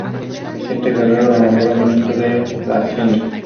Christie dijo que estar en Broadway es "todos los sueños se habían hecho realidad".